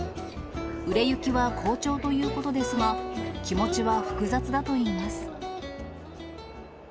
売れ行きは好調ということですが、気持ちは複雑だといいます。